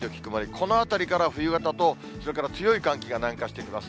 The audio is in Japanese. このあたりから冬型と、それから強い寒気が南下してきます。